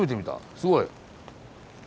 すごい。